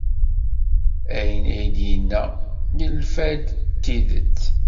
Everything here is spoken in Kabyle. Ayen ay d-yenna yelfa-d d tidet.